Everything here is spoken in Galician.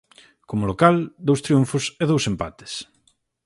Como local, dous triunfos e dous empates.